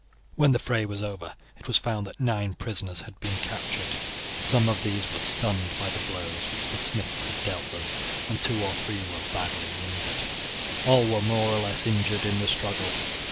When the fray was over, it was found that nine prisoners had been captured. Some of these were stunned by the blows which the smiths had dealt them, and two or three were badly wounded; all were more or less injured in the struggle.